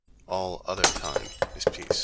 All other time is PEACE.